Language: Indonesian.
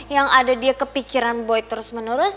yang ada dia kepikiran boy terus menerus